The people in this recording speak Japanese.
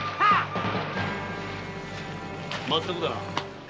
まったくだな。